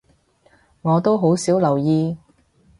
我都好少留意